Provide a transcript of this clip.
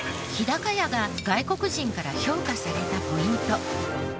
日高屋が外国人から評価されたポイント。